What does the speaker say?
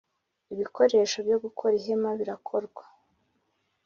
Ibikoresho byo gukora ihema birakorwa.